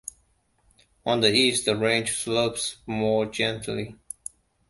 On the east, the range slopes more gently.